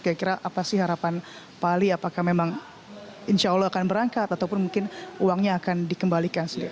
kira kira apa sih harapan pak ali apakah memang insya allah akan berangkat ataupun mungkin uangnya akan dikembalikan sendiri